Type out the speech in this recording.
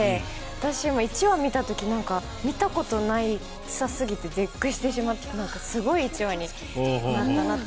私、１話見た時見たことなさすぎて絶句してすごい１話になったなと。